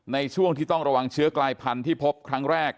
ในช่วงที่ต้องระวังเชื้อกลายพันธุ์ที่พบครั้งแรก